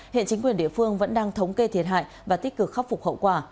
hiện chính quyền địa phương vẫn đang thống kê thiệt hại và tích cực khắc phục hậu quả